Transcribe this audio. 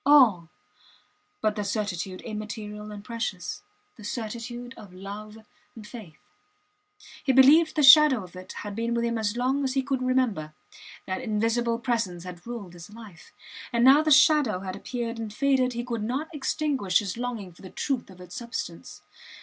All but the certitude immaterial and precious the certitude of love and faith. He believed the shadow of it had been with him as long as he could remember; that invisible presence had ruled his life. And now the shadow had appeared and faded he could not extinguish his longing for the truth of its substance.